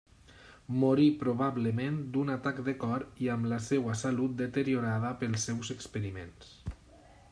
Morí probablement d'un atac de cor i amb la seva salut deteriorada pels seus experiments.